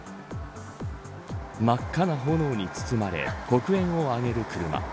真っ赤な炎に包まれ黒煙を上げる車。